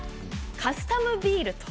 カスタムビール。